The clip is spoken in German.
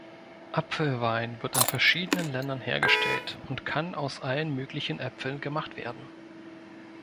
Apfelwein wird in verschiedenen Ländern hergestellt und kann aus allen möglichen Äpfeln gemacht werden.